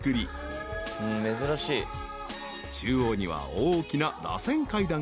［中央には大きな］